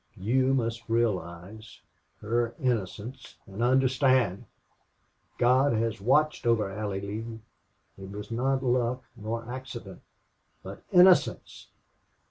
You must realize her innocence and understand. God has watched over Allie Lee! It was not luck nor accident. But innocence!...